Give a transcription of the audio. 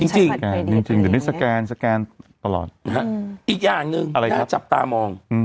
จริงจริงแต่ไม่สแกนสแกนตลอดอีกอย่างหนึ่งอะไรครับน่าจับตามองอืม